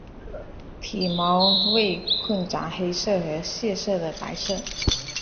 体毛为混杂黑色和褐色的白色。